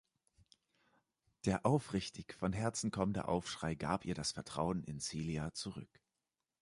Der aufrichtig von Herzen kommende Aufschrei gab ihr das Vertrauen in Celia zurück.